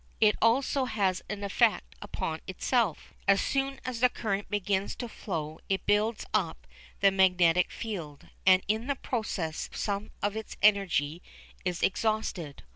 It also has an effect upon itself. As soon as the current begins to flow it builds up the magnetic field, and in the process some of its energy is exhausted.